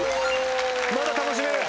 まだ楽しめる！